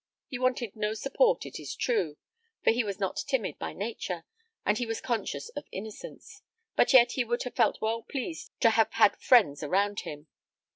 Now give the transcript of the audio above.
He wanted no support, it is true; for he was not timid by nature, and he was conscious of innocence; but yet he would have felt well pleased to have had friends around him.